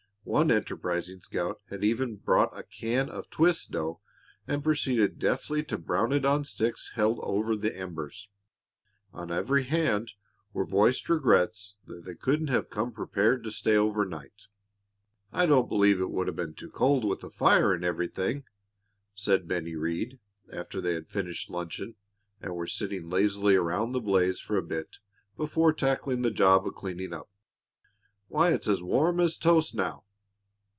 One enterprising scout had even brought a can of twist dough and proceeded deftly to brown it on sticks held over the embers. On every hand were voiced regrets that they couldn't have come prepared to stay overnight. "I don't believe it would have been too cold, with the fire and everything," said Bennie Rhead, after they had finished luncheon and were sitting lazily around the blaze for a bit before tackling the job of cleaning up. "Why, it's as warm as toast now."